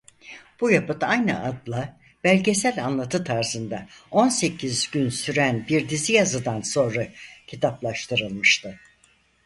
Bu yapıt aynı adla belgesel anlatı tarzında on sekiz gün süren bir dizi yazıdan sonra kitaplaştırılmıştı.